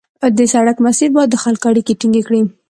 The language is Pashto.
د سړک مسیر باید د خلکو اړیکې ټینګې کړي